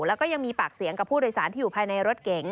แล้วก็ยังมีปากเสียงกับผู้โดยสารที่อยู่ภายในรถเก๋ง